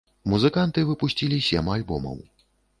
Музыканты выпусцілі сем альбомаў.